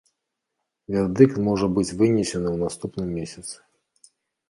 Вердыкт можа быць вынесены ў наступным месяцы.